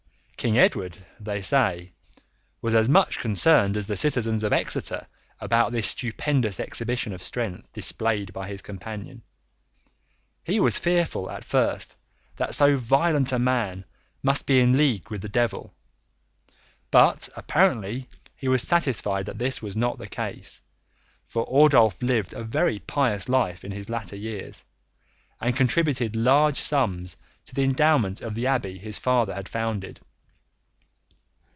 King Edward, they say, was as much concerned as the citizens of Exeter about this stupendous exhibition of strength displayed by his companion. He was fearful at first that so violent a man must be in league with the devil; but apparently he was satisfied that this was not the case, for Ordulph lived a very pious life in his latter years, and contributed large sums to the endowment of the abbey his father had founded.